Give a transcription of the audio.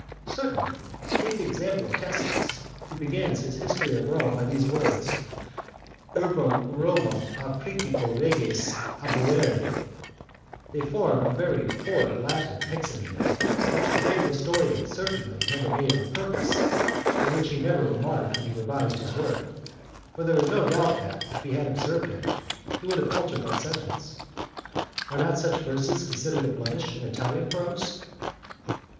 "Certainly. Take the example of Tacitus, who begins his history of Rome by these words: 'Urbem Romam a principio reges habuere'. They form a very poor Latin hexameter, which the great historian certainly never made on purpose, and which he never remarked when he revised his work, for there is no doubt that, if he had observed it, he would have altered that sentence. Are not such verses considered a blemish in Italian prose?"